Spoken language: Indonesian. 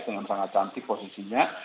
dengan sangat cantik posisinya